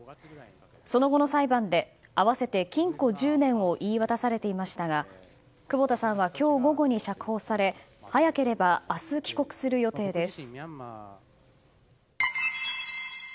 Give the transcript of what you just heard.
その後の裁判で合わせて禁錮１０年を言い渡されていましたが久保田さんは今日午後に釈放され早ければ明日、帰国する予定です。